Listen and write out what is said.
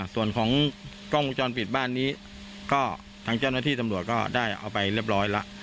ส่วนของกล้องวงจรปิดบ้านนี้ก็ทางเจ้าหน้าที่ตำรวจก็ได้เอาไปเรียบร้อยแล้ว